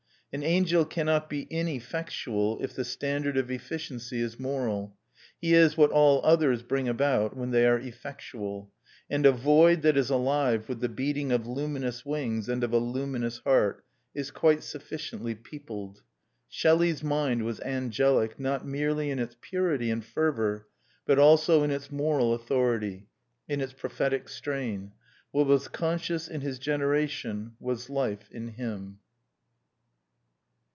An angel cannot be ineffectual if the standard of efficiency is moral; he is what all other things bring about, when they are effectual. And a void that is alive with the beating of luminous wings, and of a luminous heart, is quite sufficiently peopled. Shelley's mind was angelic not merely in its purity and fervour, but also in its moral authority, in its prophetic strain. What was conscience in his generation was life in him.